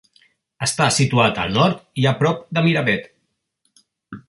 Està situat al nord i a prop de Miravet.